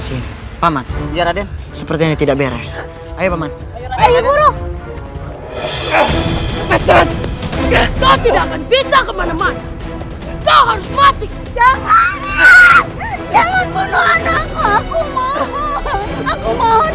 jangan bunuh anakku